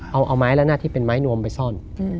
เอาไม้ละนาดที่เป็นไม้นวมไปซ่อน